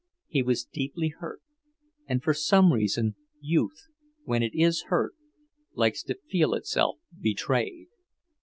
He was deeply hurt, and for some reason, youth, when it is hurt, likes to feel itself betrayed.